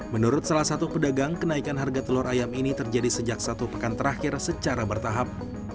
menurut salah satu pedagang kenaikan harga telur ayam ini terjadi sejak satu pekan terakhir secara bertahap